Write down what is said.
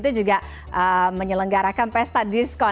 sepuluh sepuluh itu juga menyelenggarakan pesta diskon